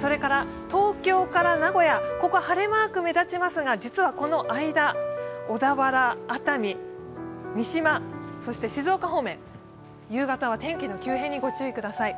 それから東京から名古屋、ここ晴れマーク、目立ちますが実はこの間、小田原、熱海、三島、そして静岡方面、夕方は天気の急変にご注意ください。